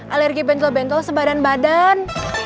alergi bentol bentol sebadan badan